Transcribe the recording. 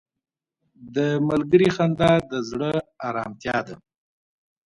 • د ملګري خندا د زړه ارامتیا ده.